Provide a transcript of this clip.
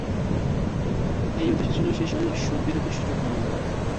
এর উদ্দেশ্য ছিল সেসময়ের সুদ বিরতির সুযোগ নেওয়া।